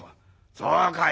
「そうかい。